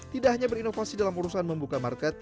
tidak hanya berinovasi dalam urusan membuka market